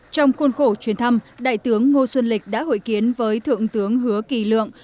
trong khuôn khổ chuyến thăm đại tướng ngô xuân lịch đã hội kiến với thượng tướng hứa kỳ lượng